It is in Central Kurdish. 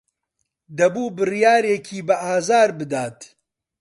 دەبوو بڕیارێکی بەئازار بدات.